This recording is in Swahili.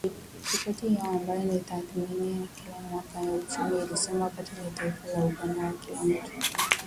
Ripoti hiyo, ambayo ni tathmini ya kila mwaka ya uchumi, ilisema pato la taifa la Uganda kwa kila mtu lilifikia takriban dola mia nane na arubaini